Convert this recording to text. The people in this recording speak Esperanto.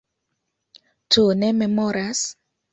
Ĉu ne memoras?